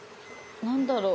何だろう？